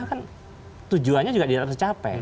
kan tujuannya juga tidak tercapai